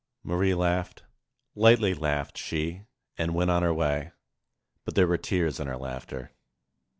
Marie laughed; lightly laughed she and went on her way. But there were tears in her laughter.